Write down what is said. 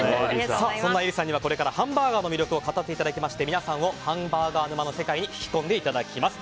そんなＥｒｉさんにはこれからハンバーガーの魅力を語っていただきまして皆さんをハンバーガー沼の世界に引き込んでいただきます。